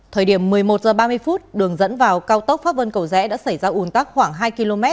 thời điểm một mươi một giờ ba mươi phút đường dẫn vào cao tốc pháp vân cầu rẽ đã xảy ra ôn tắc khoảng hai km